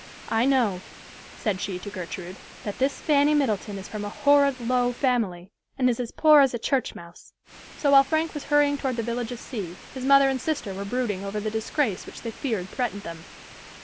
"I know," said she to Gertrude, "that this Fanny Middleton is from a horrid low family, and is as poor as a church mouse." So while Frank was hurrying toward the village of C——, his mother and sister were brooding over the disgrace which they feared threatened them.